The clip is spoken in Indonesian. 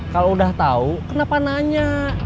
kalau udah tahu kenapa nanya